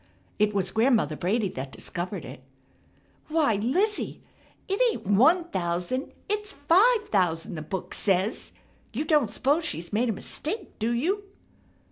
It was Grandmother Brady that discovered it: "Why, Lizzie! It ain't one thousand, it's five thousand, the book says! You don't 'spose she's made a mistake, do you?"